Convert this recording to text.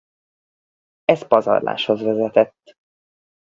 Ez pazarláshoz vezetett.